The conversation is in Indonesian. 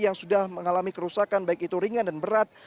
yang sudah mengalami kerusakan baik itu ringan dan berat